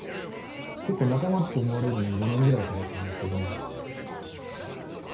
結構仲間って思われるのに５年ぐらいかかったんですけどね。